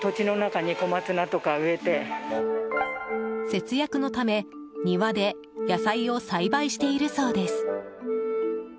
節約のため庭で野菜を栽培しているそうです。